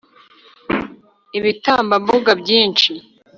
ibitambambuga byinshi